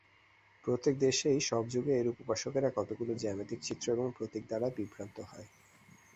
প্রত্যেক দেশে সব যুগেই এরূপ উপাসকেরা কতগুলি জ্যামিতিক চিত্র এবং প্রতীক দ্বারা বিভ্রান্ত হয়।